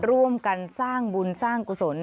ร่วมกันสร้างบุญสร้างกุศล